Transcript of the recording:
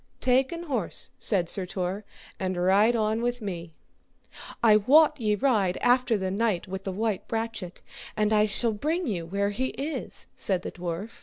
Take an horse, said Sir Tor, and ride on with me. I wot ye ride after the knight with the white brachet, and I shall bring you where he is, said the dwarf.